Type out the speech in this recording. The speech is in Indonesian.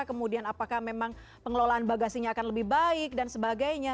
kemudian apakah memang pengelolaan bagasinya akan lebih baik dan sebagainya